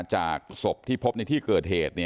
จากศพที่พบในที่เกิดเหตุ